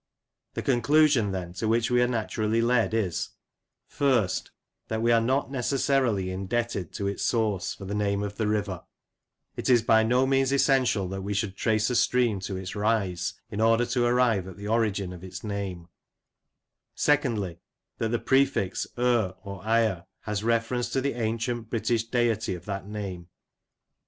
The conclusion, then, to which we are naturally led is— First, that we are not necessarily indebted •Celtic Gleanings, by the Rev. T. M'Laughlan, A.M., F.S.A.S., p. 130. — 1 The IrwelL 13 1 to its source for the name of the river. It is by no means essential that we should trace a stream to its rise in order to arrive at the origin of its name. Secondly, That the prefix Ir, or Ire, has reference to the ancient British deity of that name.